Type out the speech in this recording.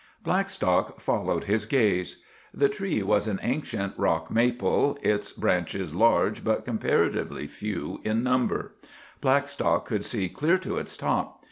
Blackstock followed his gaze. The tree was an ancient rock maple, its branches large but comparatively few in number. Blackstock could see clear to its top.